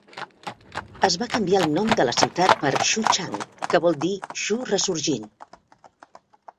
Es va canviar el nom de la ciutat per "Xuchang", que vol dir "Xu Ressorgint".